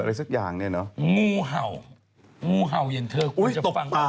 อะไรสักอย่างนี่เนอะงูเห่างูเห่าเหมือนเธอควรจะฟังเอาไว้